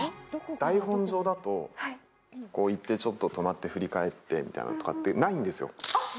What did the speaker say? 台本上だと行ってちょっと止まって振り返ってとかないんですよ。